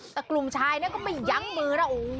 แต่กลุ่มชายก็ไปยั้งมือนะ